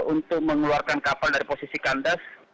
untuk mengeluarkan kapal dari posisi kandas